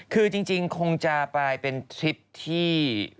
คือจริงคงจะกลายเป็นทริปที่